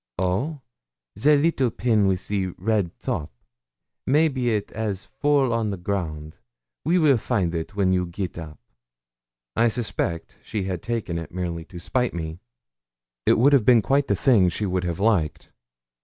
'Oh! the little pin with the red top? maybe it 'as fall on the ground; we weel find when you get up.' I suspected that she had taken it merely to spite me. It would have been quite the thing she would have liked.